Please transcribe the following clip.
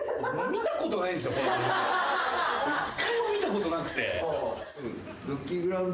１回も見たことなくて。